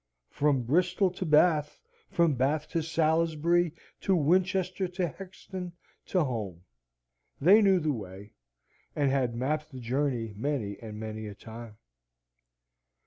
From Bristol to Bath, from Bath to Salisbury, to Winchester, to Hexton, to Home; they knew the way, and had mapped the journey many and many a time.